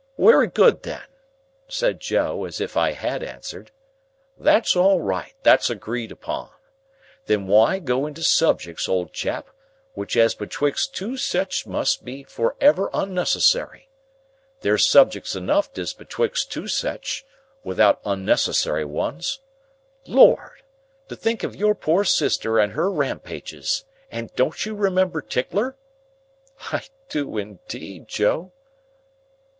"Wery good, then," said Joe, as if I had answered; "that's all right; that's agreed upon. Then why go into subjects, old chap, which as betwixt two sech must be for ever onnecessary? There's subjects enough as betwixt two sech, without onnecessary ones. Lord! To think of your poor sister and her Rampages! And don't you remember Tickler?" "I do indeed, Joe."